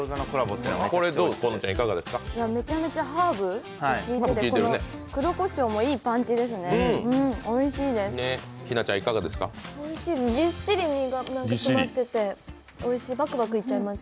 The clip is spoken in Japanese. めちゃめちゃハーブがきいてて黒こしょうもいいパンチですねおいしいです。